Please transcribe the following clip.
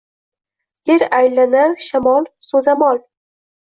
Gir aylanar shamol – soʼzamol